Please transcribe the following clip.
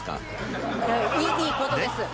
いいことです。